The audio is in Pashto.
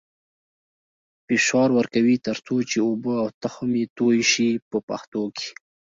فشار ورکوي تر څو چې اوبه او تخم یې توی شي په پښتو کې.